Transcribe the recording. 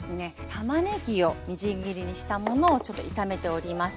たまねぎをみじん切りにしたものを炒めております。